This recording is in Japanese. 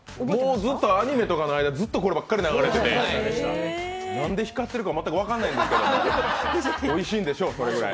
もうずっとアニメとかの間にずっとこればっかり流れててなんで光ってるか、全く分からないんですけど、おいしいんでしょう、それで。